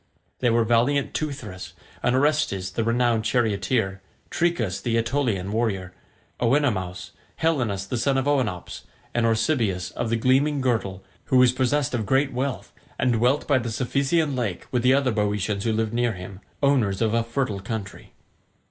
They were valiant Teuthras, and Orestes the renowned charioteer, Trechus the Aetolian warrior, Oenomaus, Helenus the son of Oenops, and Oresbius of the gleaming girdle, who was possessed of great wealth, and dwelt by the Cephisian lake with the other Boeotians who lived near him, owners of a fertile country.